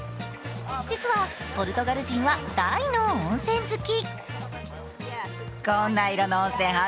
実は、ポルトガル人は大の温泉好き。